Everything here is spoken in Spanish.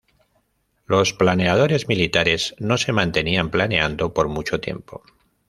Los planeadores militares no se mantenían planeando por mucho tiempo.